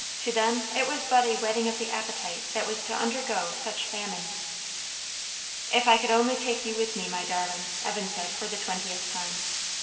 to them it was but a whetting of the appetite that was to undergo such famine. "If I could only take you with me, my darling!" Evan said for the twentieth time.